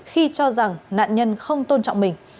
khi cho rằng nạn nhân không tôn trọng mình